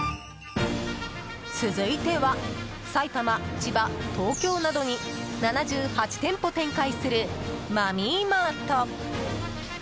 続いては埼玉、千葉、東京などに７８店舗を展開するマミーマート。